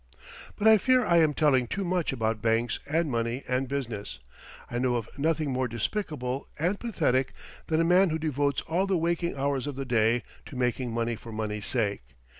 But I fear I am telling too much about banks and money and business. I know of nothing more despicable and pathetic than a man who devotes all the waking hours of the day to making money for money's sake.